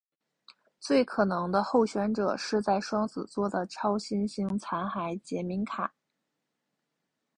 最可能的候选者是在双子座的超新星残骸杰敏卡。